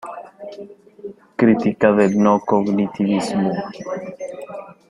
Crítica del no-cognitivismo.